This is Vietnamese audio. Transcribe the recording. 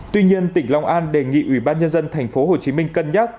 tuy nhiên tỉnh long an đề nghị ủy ban nhân dân thành phố hồ chí minh cân nhắc